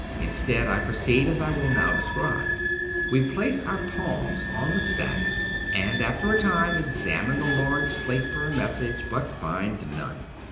Instead, I proceed as I will now describe. We place our palms on the stack, and after a time exam ine the large slate for a message, but find none.